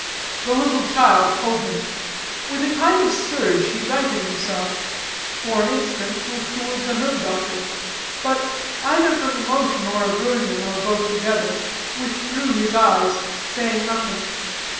The little child pulled him. With a kind of a surge he righted himself, for an instant looked toward the herb doctor; but, either from emotion or aversion, or both together, withdrew his eyes, saying nothing.